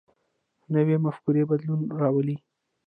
نوی مفکوره بدلون راولي